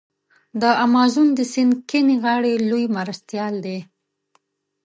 د امازون د سیند کیڼې غاړي لوی مرستیال دی.